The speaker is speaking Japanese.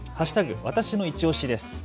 わたしのいちオシです。